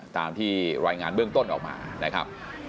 ตามที่รายงานเบื้องต้นออกมานะครับ